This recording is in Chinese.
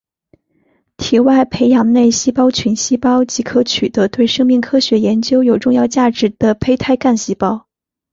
体外培养内细胞群细胞即可取得对生命科学研究有重要价值的胚胎干细胞